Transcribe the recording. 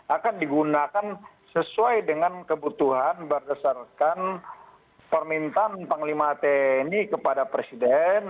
akan digunakan sesuai dengan kebutuhan berdasarkan permintaan panglima tni kepada presiden